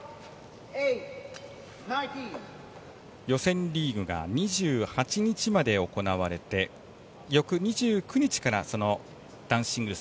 予選リーグが２８日まで行われて翌２９日から男子シングルス